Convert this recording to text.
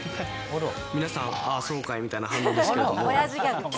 皆さん、ああ、そうかいみたいな感じですけれども。